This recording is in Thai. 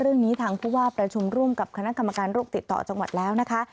เรื่องนี้ทางผู้ว่าประชุมร่วมกับคณะกรรมการโรคติดต่อจังหวัดแล้วนะคะ